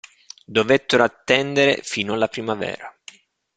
Dovettero attendere fino alla primavera.